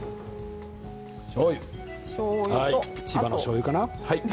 千葉のしょうゆかな？